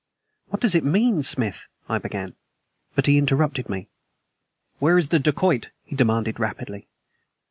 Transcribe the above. "What does it mean, Smith?" I began. But he interrupted me. "Where is the dacoit?" he demanded rapidly.